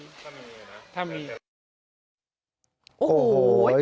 ได้ตลอดปี